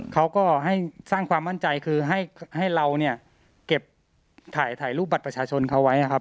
เขาก็ให้สร้างความมั่นใจคือให้เราเนี่ยเก็บถ่ายรูปบัตรประชาชนเขาไว้นะครับ